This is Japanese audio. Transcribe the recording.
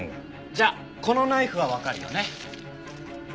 じゃあこのナイフはわかるよね？